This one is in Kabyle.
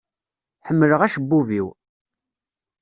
Ḥemmleɣ acebbub-iw.